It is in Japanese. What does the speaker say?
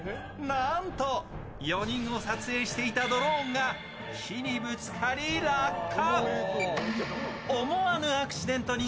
なんと４人を撮影していたドローンが木にぶつかり落下。